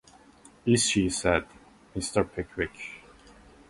‘Is she?’ said Mr. Pickwick.